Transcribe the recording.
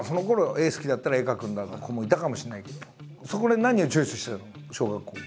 絵好きだったら絵描くんだって子もいたかもしれないけどそこで何をチョイスしてたの？小学校。